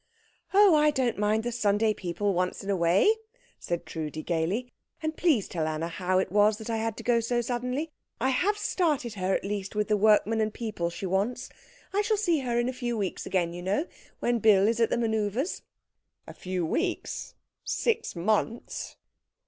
"Oh, I don't mind the Sunday people once in a way," said Trudi gaily. "And please tell Anna how it was I had to go so suddenly. I have started her, at least, with the workmen and people she wants. I shall see her in a few weeks again, you know, when Bill is at the man[oe]uvres." "A few weeks! Six months."